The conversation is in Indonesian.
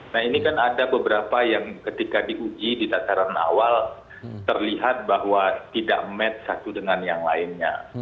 nah ini kan ada beberapa yang ketika diuji di tataran awal terlihat bahwa tidak match satu dengan yang lainnya